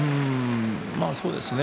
そうですね。